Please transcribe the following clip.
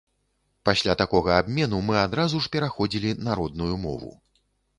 Пасля такога абмену мы адразу ж пераходзілі на родную мову.